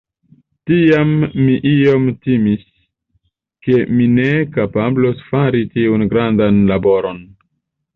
Tiam mi iom timis, ke mi ne kapablos fari tiun grandan laboron.